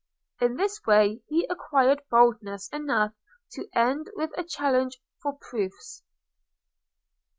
In this way he acquired boldness enough to end with a challenge for proofs.